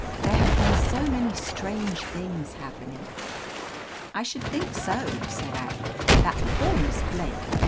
"There have been so many strange things happening!" "I should think so," said Aggie. "That poor Miss Blake!